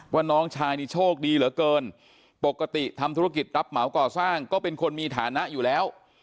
น้องชายนี่โชคดีเหลือเกินปกติทำธุรกิจรับเหมาก่อสร้างก็เป็นคนมีฐานะอยู่แล้ว